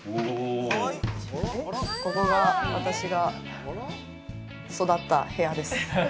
ここが、私が育った部屋です。